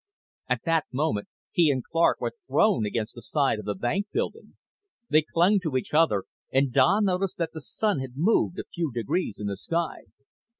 At that moment he and Clark were thrown against the side of the bank building. They clung to each other and Don noticed that the sun had moved a few degrees in the sky.